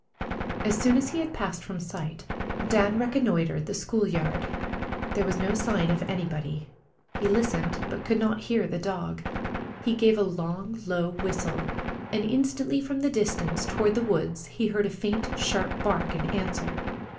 As soon as he had passed from sight, Dan reconnoitred the school yard. There was no sign of anybody. He listened, but could not hear the dog. He gave a long, low whistle, and instantly from the distance, toward the woods, he heard a faint, sharp bark in answer.